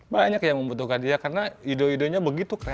banyak yang membutuhkan dia karena ide idenya begitu kreatif